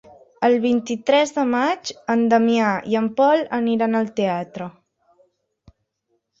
El vint-i-tres de maig en Damià i en Pol aniran al teatre.